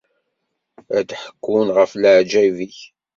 Ad ḥekkun ɣef leɛǧayeb-ik.